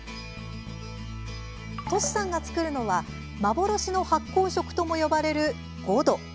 としさんが作るのは幻の発酵食とも呼ばれる、ごど。